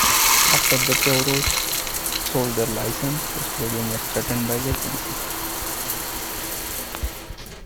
After the Toros sold their licence, the stadium was threatened by vacancy.